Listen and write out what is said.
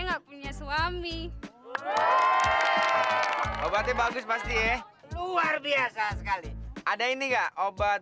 enggak punya suami obatnya bagus pasti ya luar biasa sekali ada ini enggak obat